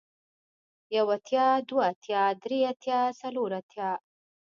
يو اتيا دوه اتيا درې اتيا څلور اتيا